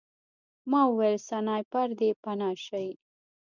ما وویل سنایپر دی پناه شئ